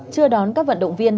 chưa đón các vận động viên